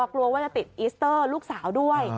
กลัวว่าจะติดอิสเตอร์ลูกสาวด้วย